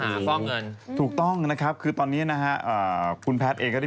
ฟอกเงินถูกต้องนะครับคือตอนนี้นะฮะอ่าคุณแพทย์เองก็ได้